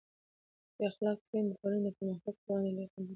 بې اخلاقه کړنې د ټولنې د پرمختګ پر وړاندې لوی خنډونه جوړوي.